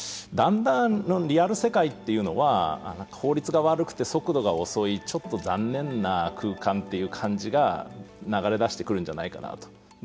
だんだんリアル世界というのは効率が悪くて速度が遅いちょっと残念な空間という感じが流れ出してくるんじゃないかと。